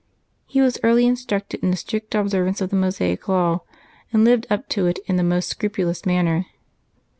He was early instructed in the strict ob servance of the Mosaic law, and lived up to it in the most scrupulous manner.